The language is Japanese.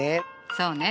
そうね。